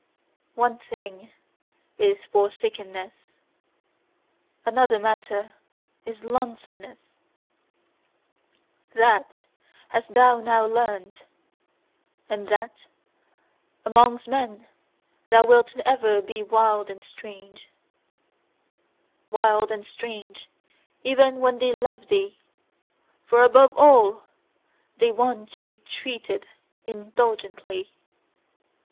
One thing is forsakenness, another matter is lonesomeness: THAT hast thou now learned! And that amongst men thou wilt ever be wild and strange: Wild and strange even when they love thee: for above all they want to be TREATED INDULGENTLY!